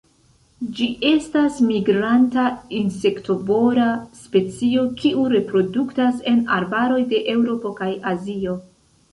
Ĝi estas migranta insektovora specio kiu reproduktas en arbaroj de Eŭropo kaj Azio.